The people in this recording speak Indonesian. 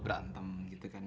berantem gitu kan